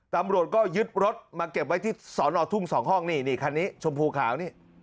ตำรวจก็ยึดรถมาเก็บไว้ที่สอนอทุ่ง๒ห้องนี่นี่คันนี้ชมพูขาวนี่